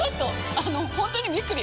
あの本当にびっくり！